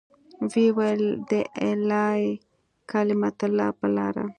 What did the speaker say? ويې ويل د اعلاى کلمة الله په لاره.